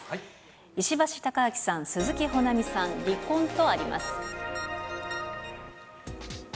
石橋貴明さん、鈴木保奈美さん、離婚とあります。